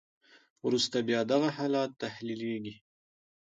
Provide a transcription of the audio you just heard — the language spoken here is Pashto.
وروسته بیا دغه حالت تحلیلیږي.